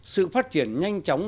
sự phát triển nhanh chóng